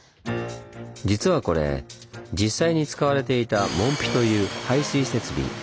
実はこれ実際に使われていた「門」という排水設備。